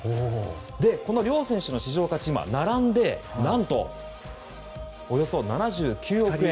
両選手の市場価値並んでおよそ７９億円。